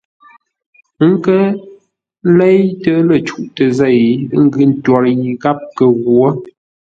Ə́ kə́ leitə́ lə́ cûʼtə zêi ə́ ńgʉ́ ntwor yi gháp kə ghwo.